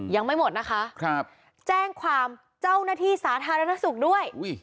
ยังไม่หมดนะคะแจ้งความเจ้าหน้าที่สาธารณสุขด้วย